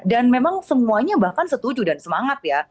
dan memang semuanya bahkan setuju dan semangat ya